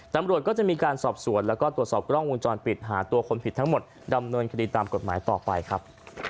ตำรวจก็จะมีการสอบสวนแล้วก็ตรวจสอบกล้องวงจรปิดหาตัวคนผิดทั้งหมดดำเนินคดีตามกฎหมายต่อไปครับ